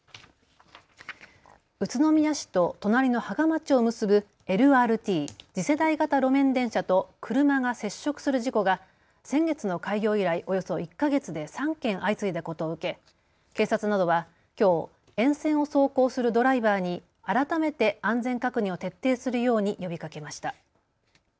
宇都宮市と隣の芳賀町を結ぶＬＲＴ・次世代型路線電車と車が接触する事故が先月の開業以来およそ１か月で３件相次いだことを受け警察などはきょう沿線を走行するドライバーに改めて安全確認を徹底するように呼びかけました。